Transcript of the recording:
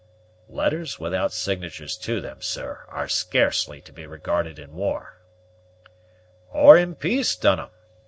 "Letters without signatures to them, sir, are scarcely to be regarded in war." "Or in peace, Dunham.